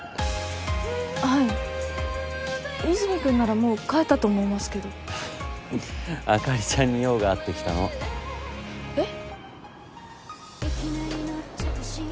はい和泉君ならもう帰ったと思いますけどあかりちゃんに用があって来たのえっ？